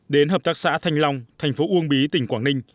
đến hợp tác xã thanh long thành phố uông bí tỉnh quảng ninh